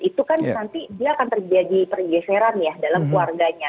itu kan nanti dia akan terjadi pergeseran ya dalam keluarganya